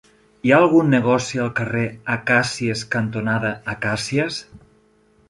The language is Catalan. Hi ha algun negoci al carrer Acàcies cantonada Acàcies?